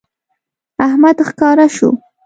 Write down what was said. احمد ښکاره شو